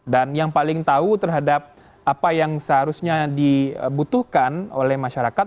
dan yang paling tahu terhadap apa yang seharusnya dibutuhkan oleh masyarakat